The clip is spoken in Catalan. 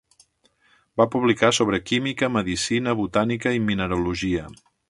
Va publicar sobre química, medicina, botànica i mineralogia.